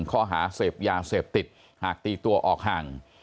ข้อหาเสพยาเสพติดหากตีตัวออกห่าง